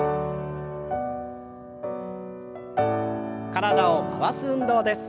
体を回す運動です。